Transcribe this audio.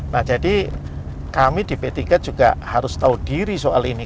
nah jadi kami di p tiga juga harus tahu diri soal ini